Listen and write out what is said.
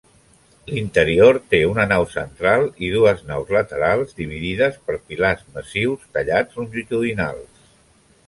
L'interior té una nau central i dues naus laterals, dividides per pilars massius tallats longitudinals.